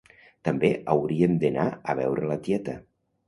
També hauríem d'anar a veure la tieta